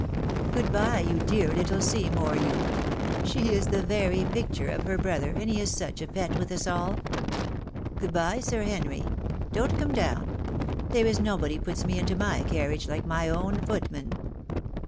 Good bye, you dear little Seymour, you ! she is the very picture of her brother, and he is such a pet with us all ! Good bye. Sir Henry ! don't come down. There is nobody puts me into my carriage, like my own footman."